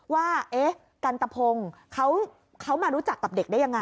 ว่ากันตะพงเขามารู้จักกับเด็กได้ยังไง